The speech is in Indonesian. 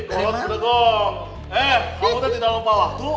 eh kamu tadi dalam pahala tuh